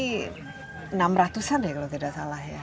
ini enam ratusan ya kalau tidak salah ya